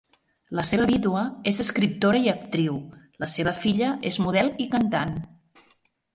La seva vídua és escriptora i actriu, la seva filla és model i cantant.